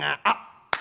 あっ！